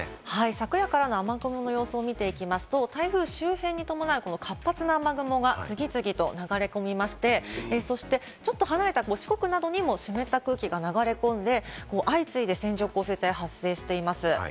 昨夜からの雨雲の様子を見ていきますと、台風周辺に伴う活発な雨雲が次々と流れ込みまして、そして、ちょっと離れた四国などにも湿った空気が流れ込んで、相次いで線状降水帯が発生しています。